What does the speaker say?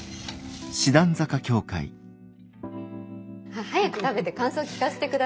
早く食べて感想聞かせてくださいよ。